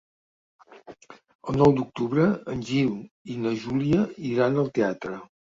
El nou d'octubre en Gil i na Júlia iran al teatre.